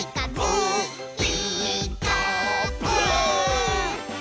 「ピーカーブ！」